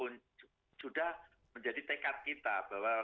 itu sudah menjadi tekad kita bahwa